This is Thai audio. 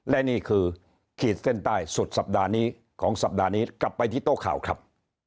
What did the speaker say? และนี่คือขีดเส้นใต้สุดสัปดาห์นี้ของสัปดาห์นี้กลับไปที่โต๊ะข่าวครับ